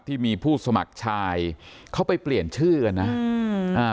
ที่มีผู้สมัครชายเขาไปเปลี่ยนชื่อกันนะอืมอ่า